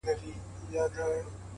زما يتيـمي ارواح تـه غـــــوښـتې خـو،